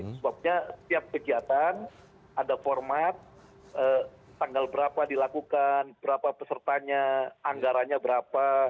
sebabnya setiap kegiatan ada format tanggal berapa dilakukan berapa pesertanya anggarannya berapa